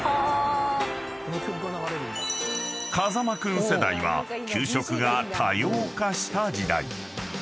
［風間君世代は給食が多様化した時代］